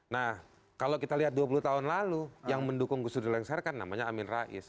nah kalau kita lihat dua puluh tahun lalu yang mendukung gus dur dilengsarkan namanya amin rais